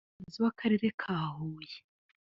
umuyobozi w’Akarere ka Huye